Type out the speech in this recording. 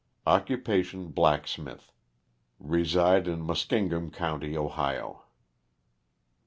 Occupation, black smith. Keside in Muskingum county, Ohio.